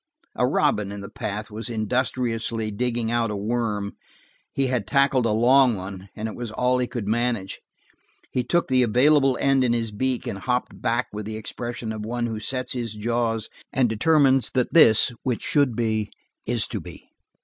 A robin in the path was industriously digging out a worm; he had tackled a long one, and it was all he could manage. He took the available end in his beak and hopped back with the expression of one who sets his jaws and determines that this which should be, is to be.